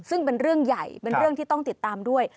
ซึ่งเป็นเรื่องใหญ่เป็นเรื่องที่ต้องติดตามด้วย